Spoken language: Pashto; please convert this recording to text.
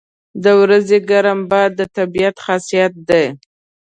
• د ورځې ګرم باد د طبیعت خاصیت دی.